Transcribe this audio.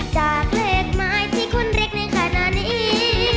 จากเลขหมายที่คนเล็กในขณะนี้